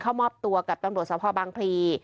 เข้ามอบตัวกับตำรวจสภบางพลี